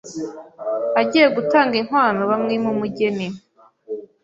agiye gutanga inkwano bamwima umugeni